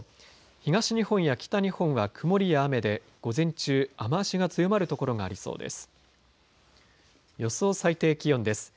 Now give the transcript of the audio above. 東日本や北日本は曇りや雨で午前中、雨足が強まる所がありそうです。